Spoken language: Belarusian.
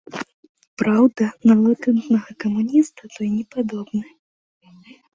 Праўда, на латэнтнага камуніста той не падобны.